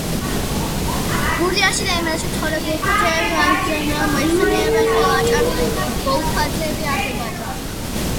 გურიაში და იმერეთში მცხოვრები ბოლქვაძეები აზნაურებად მოიხსენიებიან, ხოლო აჭარელი ბოლქვაძეები აღებად.